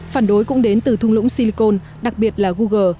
phản đối cũng đến từ thung lũng silicon đặc biệt là google